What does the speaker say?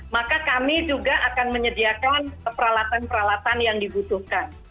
maka kami juga akan menyediakan peralatan peralatan yang dibutuhkan